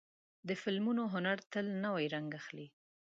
د فلمونو هنر تل نوی رنګ اخلي.